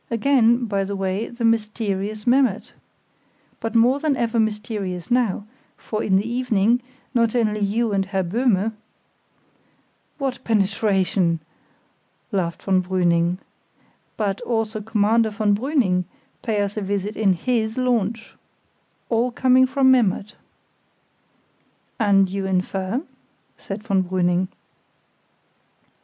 Again (by the way) the mysterious Memmert! But more than ever mysterious now, for in the evening, not only you and Herr Böhme——" "What penetration!" laughed von Brüning. "But also Commander von Brüning, pay us a visit in his launch, all coming from Memmert!" "And you infer?" said von Brüning.